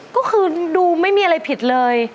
ก็คือดูไม่มีอะไรผิดเลย